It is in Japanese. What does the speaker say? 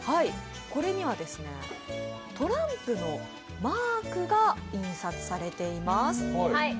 これにはトランプのマークが印刷されています。